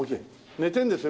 寝てるんですね？